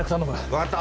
分かった。